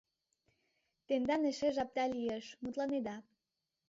Тендан эше жапда лиеш, мутланеда